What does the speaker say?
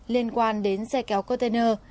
liên quan đến xe kéo container